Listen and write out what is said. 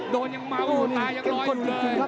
โดนยังมัวตายยังร้อยอยู่เลย